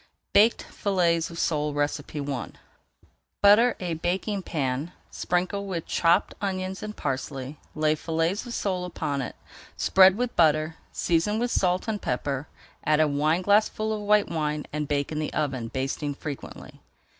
BAKED FILLETS OF SOLE I Butter a baking pan, sprinkle with chopped onions and parsley, lay fillets of sole upon it, spread with butter, season with salt and pepper, add a wineglassful of white wine, and bake in the oven, basting frequently.